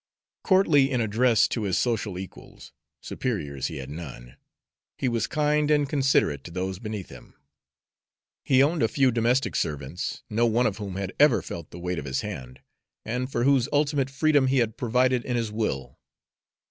Courtly in address to his social equals (superiors he had none), he was kind and considerate to those beneath him. He owned a few domestic servants, no one of whom had ever felt the weight of his hand, and for whose ultimate freedom he had provided in his will.